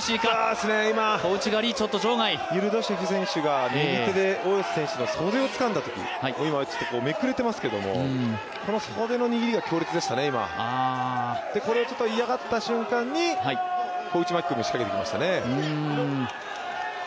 今、ユルドシェフ選手が右手で、大吉選手の袖をつかんだとき今、めくれてますけれどもこの袖の握りが強烈でしたね、今これを嫌がった瞬間に小内巻込を仕掛けてきましたね。